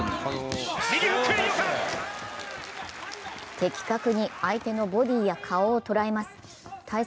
的確に相手の顔やボディーを捉えます。